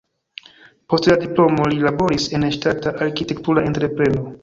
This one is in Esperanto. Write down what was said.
Post la diplomo li laboris en ŝtata arkitektura entrepreno.